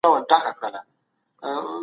سفیرانو به د هر فرد خوندیتوب باوري کړی وي.